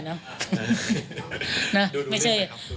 ดูเรื่องที่คำถูกแล้ว